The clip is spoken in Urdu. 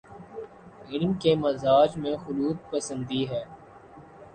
علم کے مزاج میں خلوت پسندی ہے۔